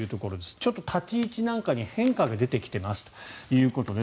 ちょっと立ち位置なんかに変化が出てきてますということです。